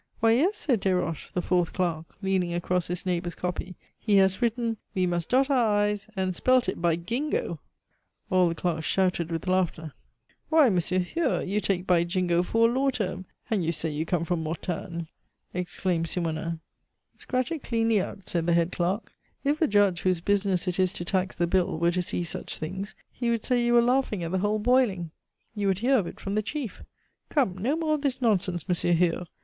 "Why, yes," said Desroches, the fourth clerk, leaning across his neighbor's copy, "he has written, 'We must dot our i's' and spelt it by Gingo!" All the clerks shouted with laughter. "Why! Monsieur Hure, you take 'By Jingo' for a law term, and you say you come from Mortagne!" exclaimed Simonnin. "Scratch it cleanly out," said the head clerk. "If the judge, whose business it is to tax the bill, were to see such things, he would say you were laughing at the whole boiling. You would hear of it from the chief! Come, no more of this nonsense, Monsieur Hure!